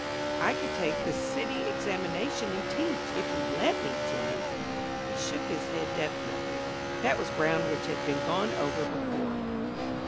"I could take the city examination and teach, if you'd let me, Jimmy." He shook his head definitely. That was ground which had been gone over before.